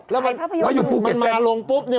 แล้วอยู่ภูเก็ตมาลงปุ๊บเนี่ย